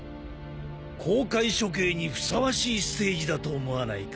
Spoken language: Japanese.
公開処刑にふさわしいステージだと思わないか？